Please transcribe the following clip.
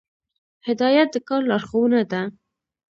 هدایت د کار لارښوونه ده